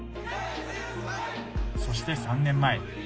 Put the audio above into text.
そして、３年前。